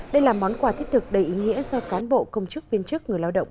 đây là món quà thiết thực đầy ý nghĩa do cán bộ công chức viên chức người lao động